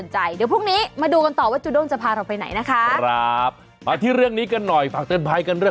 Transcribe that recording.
จอบหัวจริงเจ้าหายมาบอร์ดทางนั้น